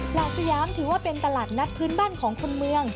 หลักสยามถือว่าเป็นตลาดนัดพื้นบ้านของคนเมือง